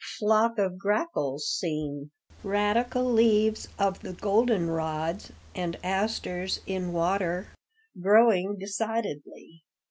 Flock of grackles seen. Radical leaves of the golden rods and asters in water, growing decidedly.